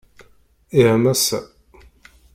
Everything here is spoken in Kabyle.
Ih a Massa.